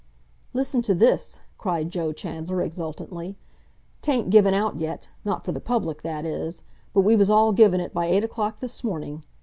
"Listen to this!" cried Joe Chandler exultantly. "'Tain't given out yet—not for the public, that is—but we was all given it by eight o'clock this morning.